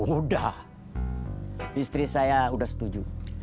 udah istri saya sudah setuju